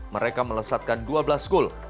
mereka melesatkan dua belas gol